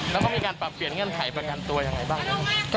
แล้วก็มีการปรับเปลี่ยนเงื่อนไขประกันตัวยังไงบ้างครับ